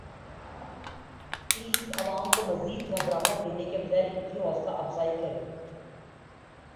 piles عوام کو زیادہ گھبراہٹ دینے کے بجاے ان کی حوصلہ افزائی کریں